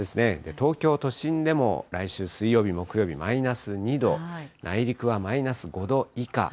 東京都心でも、来週水曜日、木曜日、マイナス２度、内陸はマイナス５度以下。